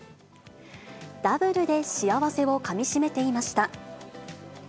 ダブルで幸せをかみしめていました。